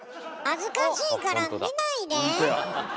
恥ずかしいから見ないで！